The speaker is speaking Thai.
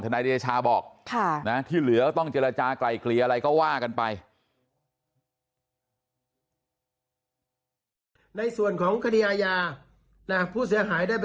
ท่านริยชาบอกนะฮะที่เหลือต้องเจรจากลายเคลียร์อะไรก็ว่ากันไป